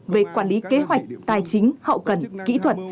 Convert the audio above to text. về quản lý kế hoạch tài chính hậu cần kỹ thuật